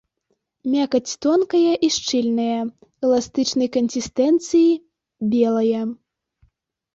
Мякаць тонкая і шчыльная, эластычнай кансістэнцыі, белая.